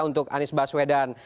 untuk anies baswedan